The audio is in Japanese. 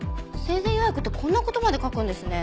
生前予約ってこんな事まで書くんですね。